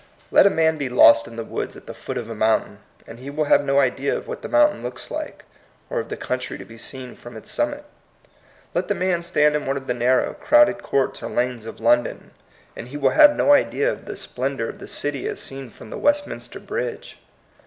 Let a man be lost in the woods at the foot of a mountain, and he will have no idea of what the mountain looks like, or of the country to be seen from its sunmiit. Let the man stand in one of the narrow, crowded courts or lanes of London, and he will have no idea of the THE POINT OF VIEW. 63 splendor of the city as seen from the West minster Bridge.